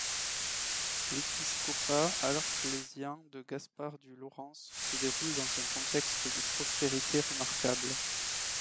L’épiscopat arlésien de Gaspard du Laurens se déroule dans un contexte de prospérité remarquable.